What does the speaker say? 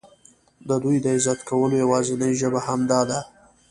د دوی د عزت کولو یوازینۍ ژبه همدا ده.